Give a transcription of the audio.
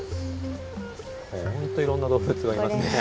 ほんといろんな動物がいますね。